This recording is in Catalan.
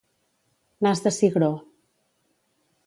Nas de cigró.